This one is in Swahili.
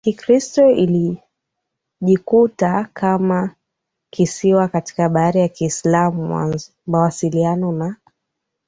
Kikristo lilijikuta kama kisiwa katika bahari ya Kiislamu Mawasiliano na